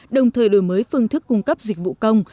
đồng thời đổi mới phương thức cung cấp dịch vụ công